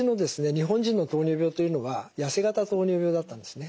日本人の糖尿病というのは痩せ型糖尿病だったんですね。